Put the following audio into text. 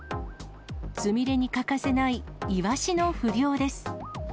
つみれに欠かせないイワシの不漁です。